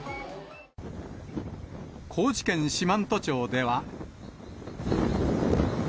高知県四万十町では。